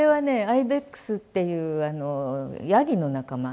アイベックスっていうあのヤギの仲間。